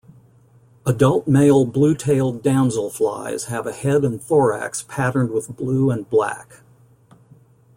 Adult male blue-tailed damselflies have a head and thorax patterned with blue and black.